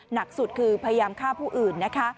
หนักสุดคือพยายามฆ่าผู้อื่นนะคะ